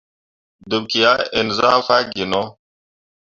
Debki a ǝn zah faa gino.